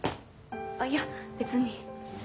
あっいや別に。